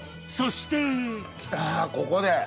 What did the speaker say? そして来たここで。